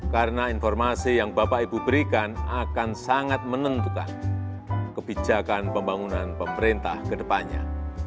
karena informasi yang bapak ibu berikan akan sangat menentukan kebijakan pembangunan pemerintah kedepannya